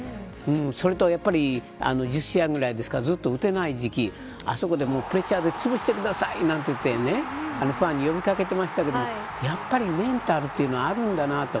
それと１０試合ぐらい、打てない時期あそこでプレッシャーで潰してくださいなんて言ってねファンに呼び掛けてましたけどやっぱりメンタルはあるんだなと。